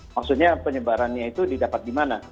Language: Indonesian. maksudnya penyebarannya itu didapat di mana